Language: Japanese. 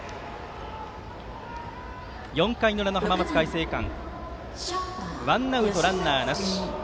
４回の裏の浜松開誠館ワンアウトランナーなし。